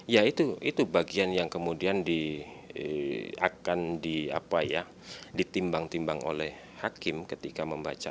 ya itu bagian yang kemudian akan ditimbang timbang oleh hakim ketika membaca